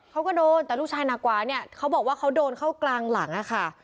เขาก็โดนแต่ลูกชายหนักกว่าเนี่ยเขาบอกว่าเขาโดนเข้ากลางหลังอะค่ะ